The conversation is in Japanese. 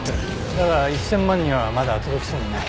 だが１０００万にはまだ届きそうにない。